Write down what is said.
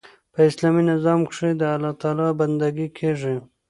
په اسلامي نظام کښي د الله تعالی بندګي کیږي.